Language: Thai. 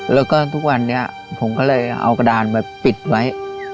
แล้วก็ทุกวันนี้ผมก็เลยเอากระดานไปปิดไว้